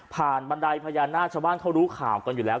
บันไดพญานาคชาวบ้านเขารู้ข่าวกันอยู่แล้ว